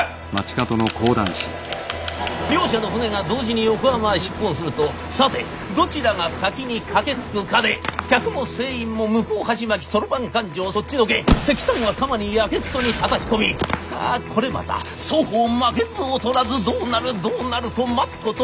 両社の船が同時に横浜を出帆するとさてどちらが先に駆けつくかで客も船員も向こう鉢巻き算盤勘定そっちのけ石炭は釜にやけくそにたたき込みさあこれまた双方負けず劣らずどうなるどうなると待つこと